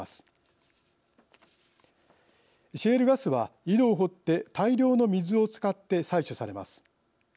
シェールガスは井戸を掘って大量の水を使って採取されます。